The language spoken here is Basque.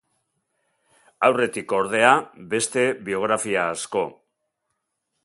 Aurretik ordea, beste biografia asko.